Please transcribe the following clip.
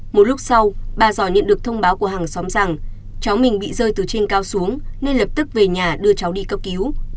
một lúc sau bà giò nhận được thông báo của hàng xóm rằng cháu mình bị rơi từ trên cao xuống nên lập tức về nhà đưa cháu đi cấp cứu